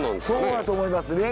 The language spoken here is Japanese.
そうやと思います。